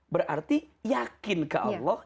berarti yakin ke allah